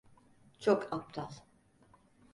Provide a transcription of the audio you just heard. Çok aptal.